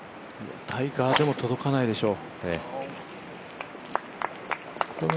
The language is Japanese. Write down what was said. タイガーでも届かないでしょう。